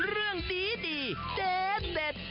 เรื่องดีเด็ด